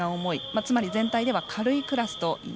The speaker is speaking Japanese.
つまり全体では軽いクラス。